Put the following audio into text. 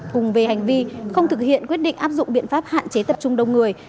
cùng về hành vi không thực hiện quyết định áp dụng biện pháp hạn chế tập trung đông người